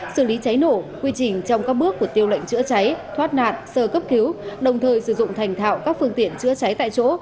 xử lý cháy nổ quy trình trong các bước của tiêu lệnh chữa cháy thoát nạn sơ cấp cứu đồng thời sử dụng thành thạo các phương tiện chữa cháy tại chỗ